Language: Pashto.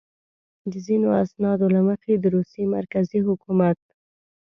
د ځینو اسنادو له مخې د روسیې مرکزي حکومت.